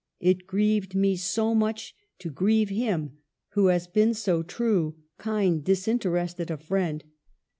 It grieved me so much to grieve him who has been so true, kind, disinterested a friend.